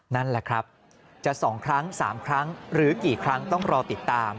นั่นแหละครับจะ๒ครั้ง๓ครั้งหรือกี่ครั้งต้องรอติดตาม